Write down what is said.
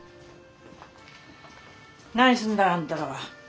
何にすんだいあんたらは。